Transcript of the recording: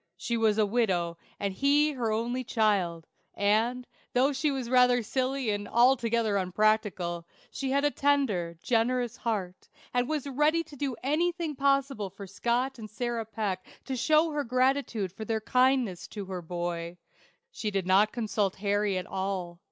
She was a widow, and he her only child; and, though she was rather silly and altogether unpractical, she had a tender, generous heart, and was ready to do anything possible for Scott and Sarah Peck to show her gratitude for their kindness to her boy. She did not consult Harry at all.